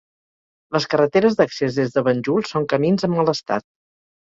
Les carreteres d'accés des de Banjul són camins en mal estat.